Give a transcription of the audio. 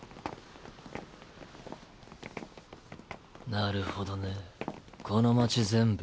なるほどねこの町全部。